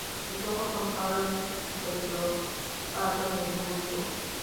Sus ojos son pardos y su pico de color pardo negruzco.